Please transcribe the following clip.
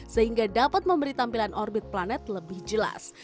sehingga dapat memberi tampilan orbit planet lebih jelas